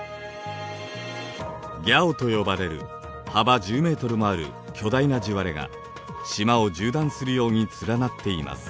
「ギャオ」と呼ばれる幅１０ｍもある巨大な地割れが島を縦断するように連なっています。